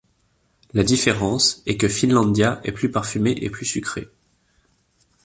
La différence est que Finlandia est plus parfumée et plus sucrée.